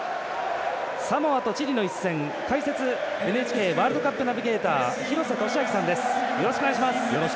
サモアとチリの一戦解説、ＮＨＫワールドカップナビゲーター廣瀬俊朗さんです。